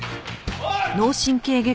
おい！